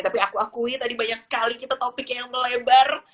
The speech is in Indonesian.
tapi aku akui tadi banyak sekali kita topik yang melebar